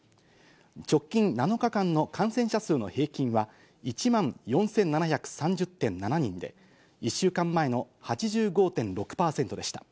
直近７日間の感染者数の平均は１万４７３０．７人で、１週間前の８５．６％でした。